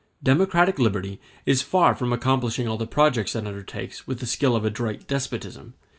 Democratic liberty is far from accomplishing all the projects it undertakes, with the skill of an adroit despotism.